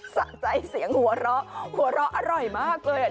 สะใจเสียงหัวเราะหัวเราะอร่อยมากเลย